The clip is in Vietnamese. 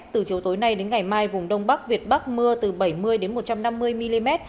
từ chiều tối nay đến ngày mai vùng đông bắc việt bắc mưa từ bảy mươi đến một trăm năm mươi mm